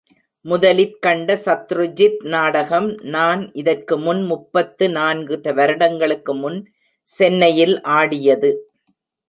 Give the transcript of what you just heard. முதலிற்கண்ட சத்ருஜித் நாடகம் நான் இதற்கு முன் முப்பத்து நான்கு வருடங்களுக்கு முன் சென்னையில் ஆடியது.